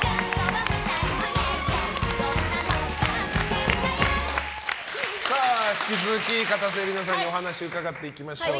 誕生引き続き、かたせ梨乃さんにお話伺っていきましょう。